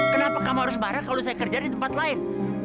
kenapa kamu harus bareng kalau saya kerja di tempat lain